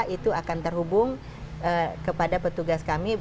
itu akan terhubung kepada petugas kami